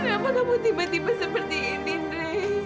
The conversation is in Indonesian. kenapa kamu tiba tiba seperti ini